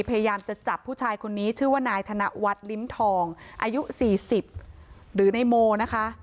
พยายามจะจับผู้ชายคนนี้ชื่อว่านายธนวัฒน์ลิ้มทองอายุ๔๐หรือในโมนะคะ